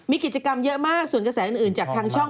มีกิจกรรมเยอะมากส่วนกระแสอื่นจากทางช่อง